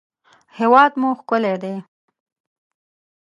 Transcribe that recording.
هېواد مو ښکلی دی